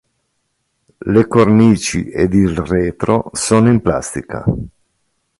Le cornici ed il retro sono in plastica.